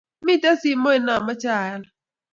miten simoit namache ayal